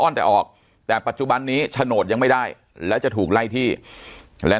แต่ออกแต่ปัจจุบันนี้โฉนดยังไม่ได้แล้วจะถูกไล่ที่แล้ว